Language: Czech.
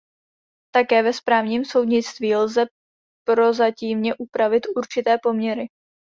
Také ve správním soudnictví lze prozatímně upravit určité poměry.